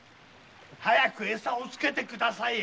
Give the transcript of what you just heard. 早く餌をつけてください！